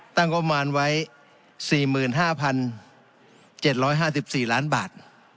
ประมาณไว้๔๕๗๕๔ล้านบาท